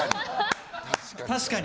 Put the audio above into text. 確かに。